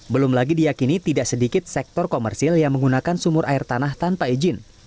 belum lagi diakini tidak sedikit sektor komersil yang menggunakan sumur air tanah tanpa izin